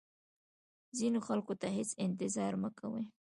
ځینو خلکو ته هیڅ انتظار مه کوئ.